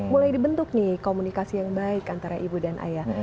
mulai dibentuk nih komunikasi yang baik antara ibu dan ayah